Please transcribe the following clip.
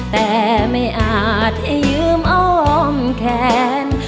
แต่ไม่อาจที่ยืมอ้อมแขน